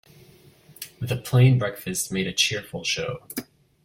The plain breakfast made a cheerful show.